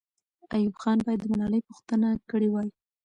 ایوب خان باید د ملالۍ پوښتنه کړې وای.